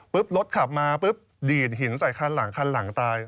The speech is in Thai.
ปึ๊บรถขับมาปึ๊บดีดหินในข้างหลังตาย